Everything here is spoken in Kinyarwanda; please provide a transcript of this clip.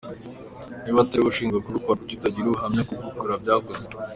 Niba atariwowe ushinzwe kubikora kuki utagira ubuhamya bukubwira ko byakozwe”.